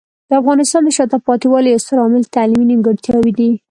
د افغانستان د شاته پاتې والي یو ستر عامل تعلیمي نیمګړتیاوې دي.